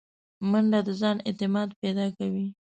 منډه د ځان اعتماد پیدا کوي